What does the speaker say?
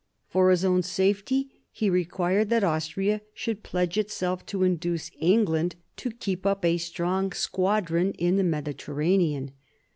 For his own safety he required that Austria should pledge itself to induce England to keep up a strong squadron in the Mediterranean.